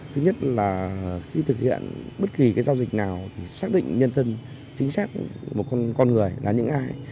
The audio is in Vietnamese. thứ nhất là khi thực hiện bất kỳ giao dịch nào thì xác định nhân thân chính xác một con người là những ai